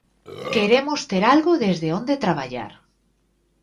Queremos ter algo desde onde traballar.